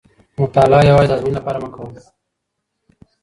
مطالعه یوازې د ازموینې لپاره مه کوه.